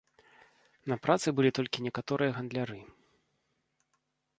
На працы былі толькі некаторыя гандляры.